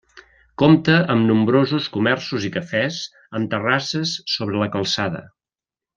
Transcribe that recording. Compta amb nombrosos comerços i cafès amb terrasses sobre la calçada.